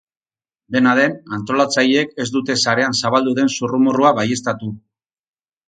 Dena den, antolatzaileek ez dute sarean zabaldu den zurrumurrua baieztatu.